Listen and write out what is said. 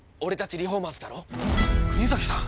国崎さん。